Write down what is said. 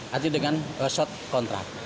haji dengan short kontrak